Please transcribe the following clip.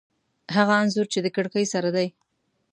هغه انځور چې د کړکۍ سره دی